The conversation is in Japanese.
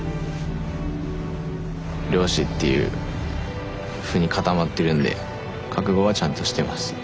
漁師っていうふうに固まってるんで覚悟はちゃんとしてます。